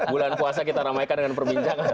bulan puasa kita ramaikan dengan perbincangan